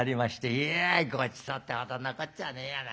「いやごちそうってほどのこっちゃねえやな。